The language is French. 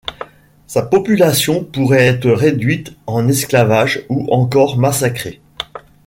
Sa population pourrait être réduite en esclavage ou encore massacrée.